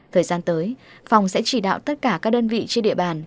thời gian tới phòng sẽ chỉ đạo tất cả các đơn vị trên địa bàn